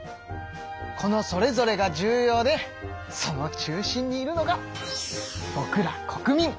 このそれぞれが重要でその中心にいるのがぼくら国民。